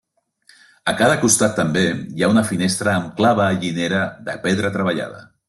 A cada costat també hi ha una finestra amb clavellinera de pedra treballada.